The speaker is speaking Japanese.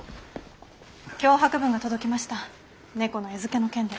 脅迫文が届きました猫の餌付けの件で。